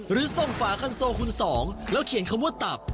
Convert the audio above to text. หรือส่งฝาคันโซคุณสองแล้วเขียนคำว่าตับ